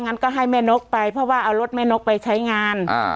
งั้นก็ให้แม่นกไปเพราะว่าเอารถแม่นกไปใช้งานอ่า